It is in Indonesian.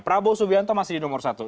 prabowo subianto masih di nomor satu